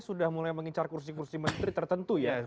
sudah mulai mengincar kursi kursi menteri tertentu ya